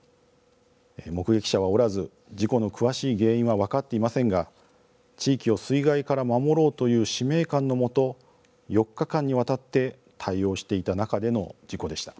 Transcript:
目撃者はおらず事故の詳しい原因は分かっていませんが地域を水害から守ろうという使命感のもと４日間にわたって対応していた中での事故でした。